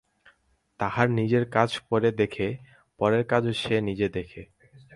তাহার নিজের কাজ পরে দেখে, পরের কাজ সে নিজে দেখে।